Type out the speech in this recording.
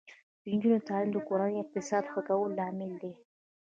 د نجونو تعلیم د کورنۍ اقتصاد ښه کولو لامل دی.